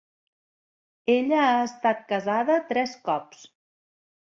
Ella ha estat casada tres cops.